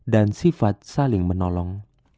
dan sifat saling menolong